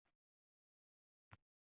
Talay-talay ertakdan —